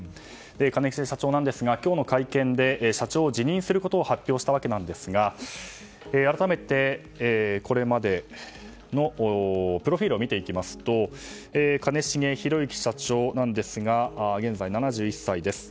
兼重社長なんですが今日の会見で社長を辞任することを発表したわけなんですが改めて、これまでのプロフィールを見ていきますと兼重宏行社長なんですが現在７１歳です。